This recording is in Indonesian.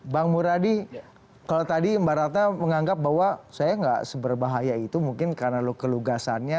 bang muradi kalau tadi mbak ratna menganggap bahwa saya nggak seberbahaya itu mungkin karena kelugasannya